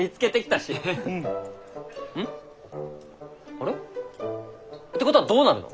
あれ？ってことはどうなるの？